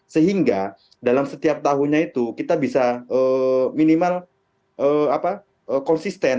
sehingga dalam setiap tahunnya itu kita bisa minimal konsisten